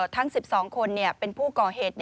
ทั้ง๑๒คนเป็นผู้ก่อเหตุ